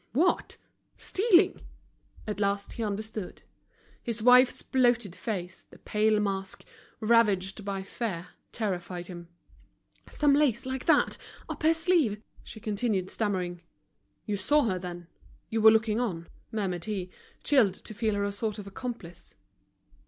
"What! stealing?" At last he understood. His wife's bloated face, the pale mask, ravaged by fear, terrified him. "Some lace, like that, up her sleeve," she continued stammering. "You saw her, then? You were looking on?" murmured he, chilled to feel her a sort of accomplice.